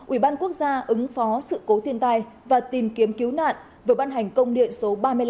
ủy ban quốc gia ứng phó sự cố thiên tai và tìm kiếm cứu nạn vừa ban hành công điện số ba mươi năm